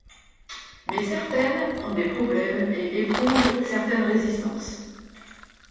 Mais certaines ont des problèmes et éprouvent certaines résistances.